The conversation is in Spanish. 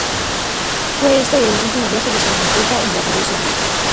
Fue este el último viaje de su inquieta y laboriosa vida.